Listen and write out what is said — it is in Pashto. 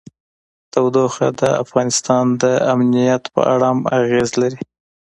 تودوخه د افغانستان د امنیت په اړه هم اغېز لري.